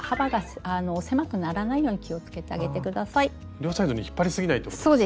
両サイドに引っ張りすぎないということですね。